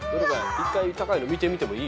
１回高いの見てみてもいいよ。